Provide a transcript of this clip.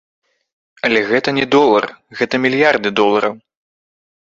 Але гэта не долар, гэта мільярды долараў.